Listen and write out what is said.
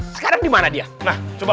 sekarang dimana dia